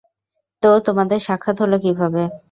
তো, তোমাদের সাক্ষাৎ হলো কীভাবে?